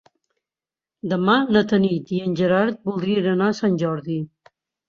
Demà na Tanit i en Gerard voldrien anar a Sant Jordi.